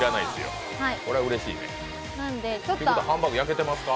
それはうれしいですね。